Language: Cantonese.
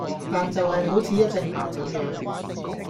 但就係好似一隻牛咁樣